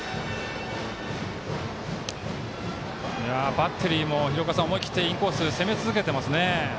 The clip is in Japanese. バッテリーも廣岡さん、思い切ってインコースを攻め続けています。